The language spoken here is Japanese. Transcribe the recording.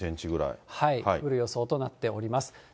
降る予想となっております。